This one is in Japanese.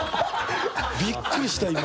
びっくりした今。